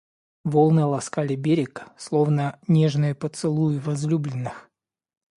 Волны ласкали берег, словно нежные поцелуи возлюбленных.